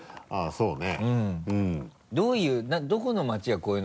そうだね。